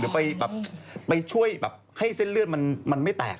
ไปช่วยแบบให้เส้นเลือดมันไม่แตก